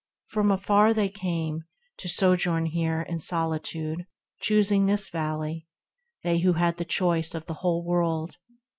From afar They came, to sojourn here in solitude, Choosing this Valley, they who had the choice Of the whole world.